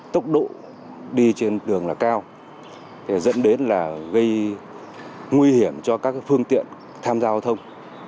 tốc độ đi trên đường là cao dẫn đến là gây nguy hiểm cho các phương tiện tham gia giao thông